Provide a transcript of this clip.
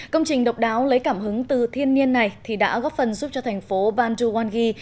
công trình độc đáo lấy cảm hứng từ thiên nhiên này thì đã góp phần giúp cho thành phố bandu wangi